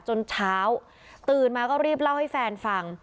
จนเช้าตื่นมาก็รีบเล่าให้แฟนฟัง